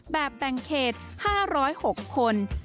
แบบแบงเกจ๕๐๖คน